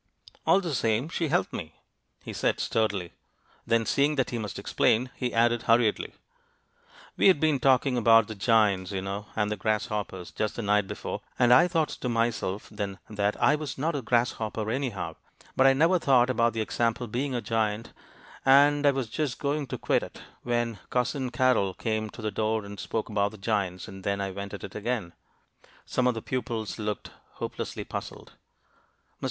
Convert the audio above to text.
"All the same, she helped me," he said, sturdily. Then, seeing that he must explain, he added, hurriedly "We had been talking about the giants, you know, and the grasshoppers, just the night before, and I thought to myself then that I was not a grasshopper, anyhow; but I never thought about the example being a giant, and I was just going to quit it when Cousin Carrol came to the door and spoke about the giants, and then I went at it again." Some of the pupils looked hopelessly puzzled. Mr.